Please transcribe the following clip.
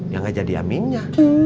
ya gak jadi aminnya